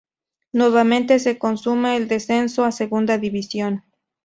Nuevamente se consuma el descenso a Segunda División.